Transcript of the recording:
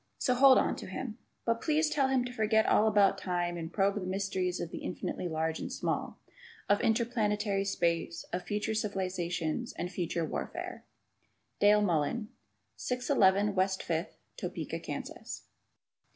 So hold on to him. But, please tell him to forget all about time and probe the mysteries of the infinitely large and small, of interplanetary space, of future civilization and future warfare. Dale Mullen, 611 West Fifth, Topeka, Kansas.